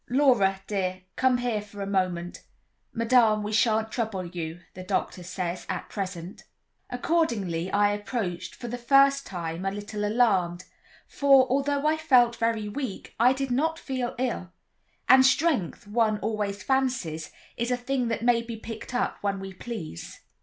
"Laura, dear, come here for a moment. Madame, we shan't trouble you, the doctor says, at present." Accordingly I approached, for the first time a little alarmed; for, although I felt very weak, I did not feel ill; and strength, one always fancies, is a thing that may be picked up when we please.